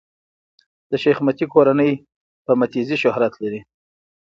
د شېخ متی کورنۍ په "متي زي" شهرت لري.